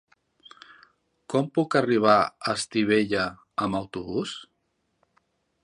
Com puc arribar a Estivella amb autobús?